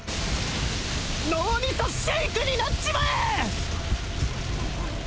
脳みそシェイクになっちまえ！